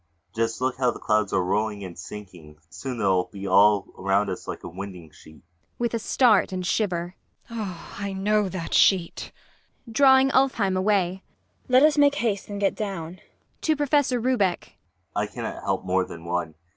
Just look how the clouds are rolling and sinking soon they'll be all around us like a winding sheet! IRENE. [With a start and shiver.] I know that sheet! MAIA. [Drawing ULFHEIM away.] Let us make haste and get down. ULFHEIM. [To PROFESSOR RUBEK.] I cannot help more than one.